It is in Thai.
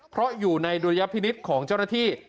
เพราะอยู่ในดุลยพินิษฐ์ของเจ้าหน้าที่